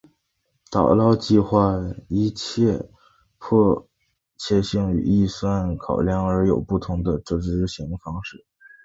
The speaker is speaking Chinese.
打捞计画依其迫切性与预算考量而有不同的执行方式。